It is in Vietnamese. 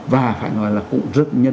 và phải nói là cũng rất nhân văn